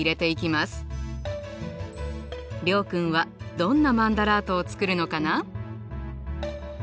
諒君はどんなマンダラートを作るのかな？